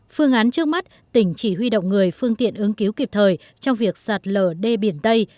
phương án trước mắt tỉnh chỉ huy động người phương tiện ứng cứu kịp thời trong việc sạt lở đê biển tây